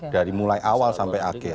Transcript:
dari mulai awal sampai akhir